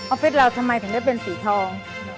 ฟิศเราทำไมถึงได้เป็นสีทอง